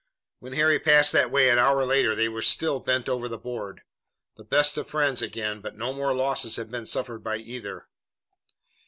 When Harry passed that way an hour later they were still bent over the board, the best of friends again, but no more losses had been suffered by either.